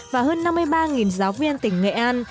và hơn năm mươi ba giáo viên tỉnh nghệ an